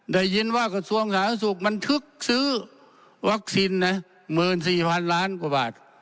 ได้ยินว่ากระทรวงศาสนสุขมันทึกซื้อวัคซินนะหมื่นสี่พันล้านกว่าบาท